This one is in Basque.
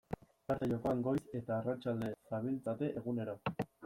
Karta jokoan goiz eta arratsalde zabiltzate egunero.